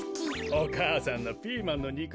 お母さんのピーマンのにく